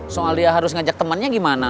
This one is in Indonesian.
soal dia harus ngajak temannya gimana